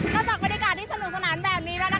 เมื่อจากบริการที่สนุกสนานแบบนี้แล้วนะคะ